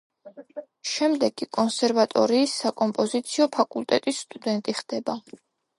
შემდეგ კი კონსერვატორიის საკომპოზიციო ფაკულტეტის სტუდენტი ხდება.